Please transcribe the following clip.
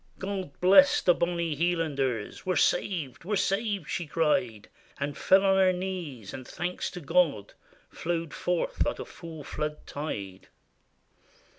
God bless the bonny Hielanders! We 're saved! we 're saved!" she cried; And fell on her knees; and thanks to God Flowed forth like a full flood tide.